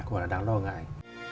cũng là đáng lo ngại